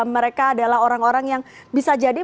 mereka adalah orang orang yang bisa jadi